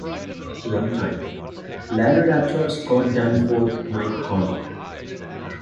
Runtime: Larry Raper, Scott Danforth, Mike Conner.